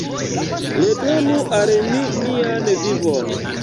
Redonu al mi mian vivon!